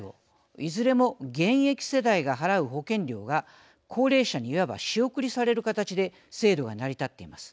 いずれも現役世代が払う保険料が高齢者にいわば仕送りされる形で制度が成り立っています。